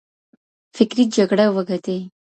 فکري جګړه وګټئ.